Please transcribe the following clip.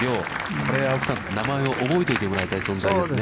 これ青木さん、名前を覚えておいてもらいたい存在ですね。